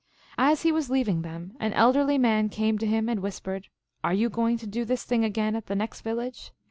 As he was leaving them an elderly man came to him and whispered, " Are you going to do this thing again at the next village